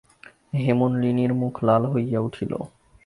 হেমনলিনীর মুখ লাল হইয়া উঠিল।